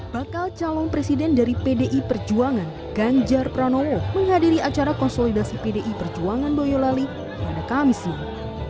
bakal calon presiden dari pdi perjuangan ganjar pranowo menghadiri acara konsolidasi pdi perjuangan boyolali pada kamis siang